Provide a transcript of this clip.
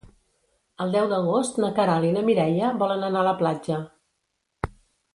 El deu d'agost na Queralt i na Mireia volen anar a la platja.